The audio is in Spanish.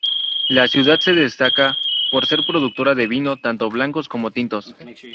La ciudad se destaca por ser productora de vino, tanto blancos como tintos.